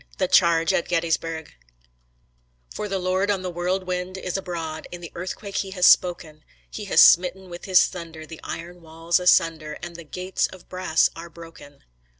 THE CHARGE AT GETTYSBURG For the Lord On the whirlwind is abroad; In the earthquake he has spoken; He has smitten with his thunder The iron walls asunder, And the gates of brass are broken!